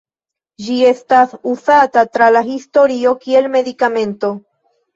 Ĝi estas uzata tra la historio kiel medikamento.